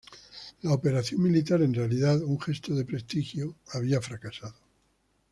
La operación militar, en realidad un gesto de prestigio, había fracasado.